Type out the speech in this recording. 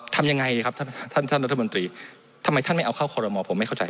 ทำยังไงครับท่านท่านรัฐมนตรีทำไมท่านไม่เอาเข้าคอรมอผมไม่เข้าใจ